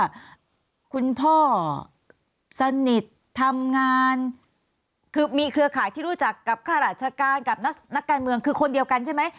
ว่าคุณพ่อสนิททำงานคือมีเครือข่ายที่รู้จักกับข้าราชการกับนักการเมืองคือคนเดียวกันใช่ไหม